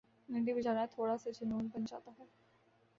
گھنٹی بجانا تھوڑا سا جنون بن جاتا ہے